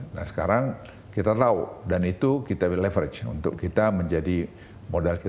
nah sekarang kita tahu dan itu kita leverage untuk kita menjadi modal kita